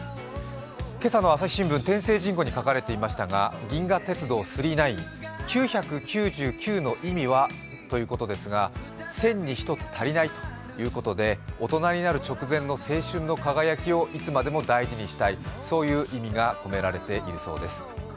今朝の朝日新聞「天声人語」に書かれていましたが、「銀河鉄道９９９」、「９９９」の意味はということですが、１０００に１つ足りないということで大人になる直前の青春の輝きをいつまでも大事にしたい、そういう意味が込められているそうです。